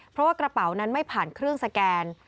เพราะว่ากระเป๋านั้นไม่ผ่านเครื่องสแกน